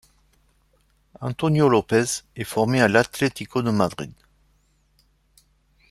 Antonio López est formé à l'Atlético de Madrid.